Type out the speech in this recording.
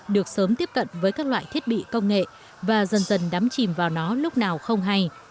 được sớm tiếp cận với các loại thiết bị công nghệ và dần dần đắm chìm vào nó lúc nào không hay